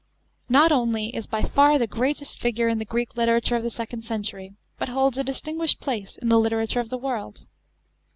not only is by far the greatest figure in the Greek literature of the second century, but holds a distinguished place in the literature of the world.